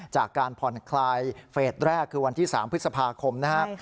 จากการผ่อนคลายเฟสแรกคือวันที่๓พฤษภาคมนะครับ